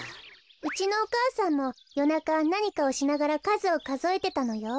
うちのお母さんもよなかなにかをしながらかずをかぞえてたのよ。